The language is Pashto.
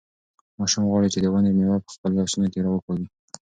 ماشوم غواړي چې د ونې مېوه په خپلو لاسونو راوکاږي.